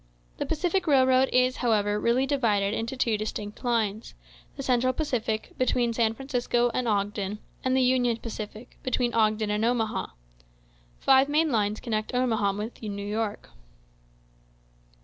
The Pacific Railroad is, however, really divided into two distinct lines: the Central Pacific, between San Francisco and Ogden, and the Union Pacific, between Ogden and Omaha. Five main lines connect Omaha with New York.